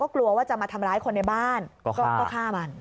กลัวว่าจะมาทำร้ายคนในบ้านก็ฆ่ามัน